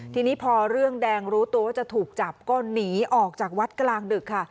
ทีนี้พอเรื่องแดงรู้ตัวว่าจะถูกจับก็หนีออกจากวัดกลางดึกค่ะ